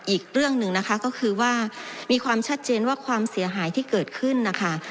อีกเรื่องหนึ่งนะคะก็คือว่ามีความชัดเจนว่าความเสียหายที่เกิดขึ้นนะคะ